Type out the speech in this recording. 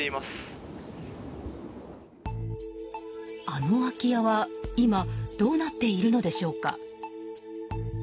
あの空き家は今どうなっているのでしょうか。